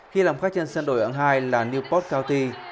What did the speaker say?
khi làm khách trên sân đội ẩn hai là newport county